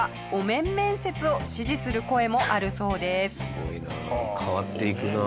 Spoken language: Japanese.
すごいなあ変わっていくなあ。